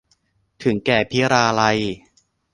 ถึงแก่พิราลัย